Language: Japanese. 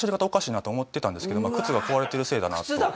おかしいなと思ってたんですけど靴が壊れてるせいだなと。